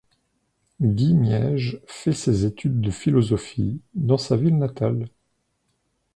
Guy Miège fait ses études de philosophie dans sa ville natale.